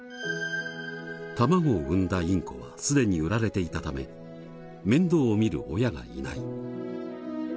卵を産んだインコはすでに売られていたため面倒を見る親がいない。